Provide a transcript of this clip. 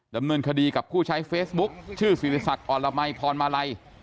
ดำเนินคดีกับผู้ใช้เฟซบุ๊คชื่อศิริษักอรมัยพรมาลัย